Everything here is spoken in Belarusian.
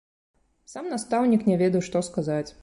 Сам настаўнік не ведаў, што сказаць.